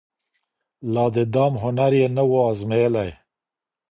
لا د دام هنر یې نه و أزمېیلی